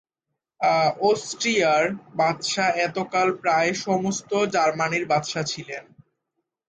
অষ্ট্রীয়ার বাদশা এতকাল প্রায় সমস্ত জার্মানীর বাদশা ছিলেন।